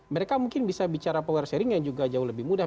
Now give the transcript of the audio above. mereka mungkin bisa bicara power sharing yang juga jauh lebih mudah